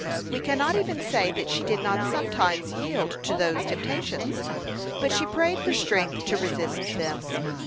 We cannot even say that she did not sometimes yield to those temptations; but she prayed for strength to resist them.